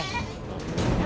eh puh sepi